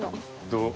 どう？